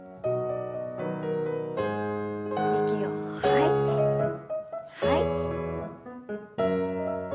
息を吐いて吐いて。